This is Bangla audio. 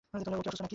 ও কি অসুস্থ নাকি?